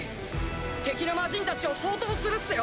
敵の魔人たちを掃討するっすよ！